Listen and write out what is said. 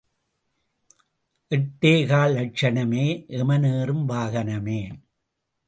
எட்டே கால் லக்ஷணமே, எமனேறும் வாகனமே.